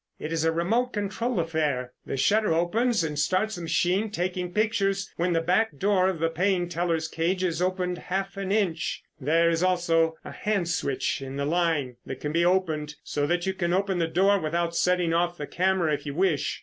It is a remote control affair. The shutter opens and starts the machine taking pictures when the back door of the paying teller's cage is opened half an inch. There is also a hand switch in the line that can be opened so that you can open the door without setting off the camera, if you wish.